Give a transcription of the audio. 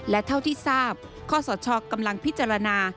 และเท่าที่ทราบข้อสชกำลังพิจารณา